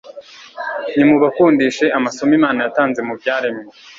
nimubakundishe amasomo Imana yatanze mu byaremwe.